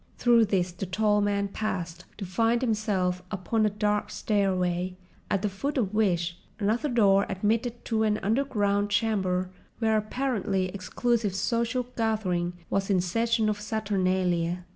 Through this the tall man passed to find himself upon a dark stairway, at the foot of which another door admitted to an underground chamber where an apparently exclusive social gathering was in session of Saturnalia.